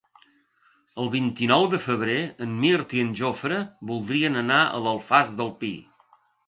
El vint-i-nou de febrer en Mirt i en Jofre voldrien anar a l'Alfàs del Pi.